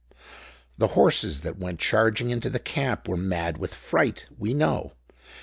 The horses that went charging into the camp were mad with fright, we know.